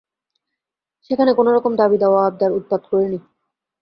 সেখানে কোনোরকম দাবিদাওয়া আবদার উৎপাত করি নি।